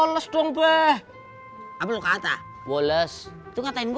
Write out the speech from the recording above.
mai tunggu enggak pak